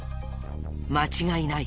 間違いない。